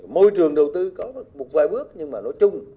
môi trường đầu tư có một vài bước nhưng mà nói chung